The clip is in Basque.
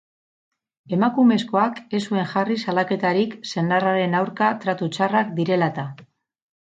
Emakumezkoak ez zuen jarri salaketarik senarraren aurka tratu txarrak direla eta.